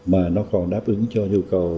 mà nó còn đáp ứng cho nhu cầu